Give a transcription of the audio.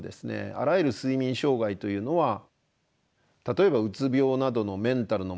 あらゆる睡眠障害というのは例えばうつ病などのメンタルの問題。